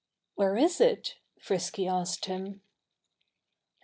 "Where is it?" Frisky asked him.